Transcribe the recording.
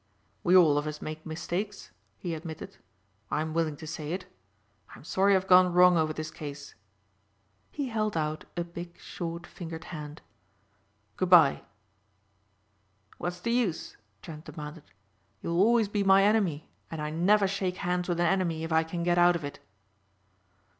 "We all of us make mistakes," he admitted. "I'm willing to say it. I'm sorry I've gone wrong over this case." He held out a big short fingered hand. "Good bye." "What's the use?" Trent demanded. "You will always be my enemy and I never shake hands with an enemy if I can get out of it."